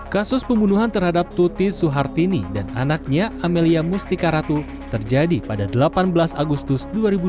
kasus pembunuhan terhadap tuti suhartini dan anaknya amelia mustika ratu terjadi pada delapan belas agustus dua ribu dua puluh